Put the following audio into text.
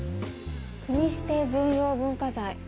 国指定重要文化財